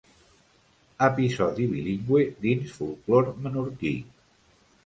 Episodi bilingüe dins Folklore Menorquí.